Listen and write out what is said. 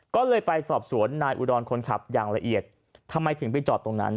ก็เลยไปสอบสวนนายอุดรคนขับอย่างละเอียดทำไมถึงไปจอดตรงนั้น